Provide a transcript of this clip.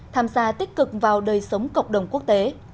tham gia tích cực vào đời sống cộng đồng quốc tế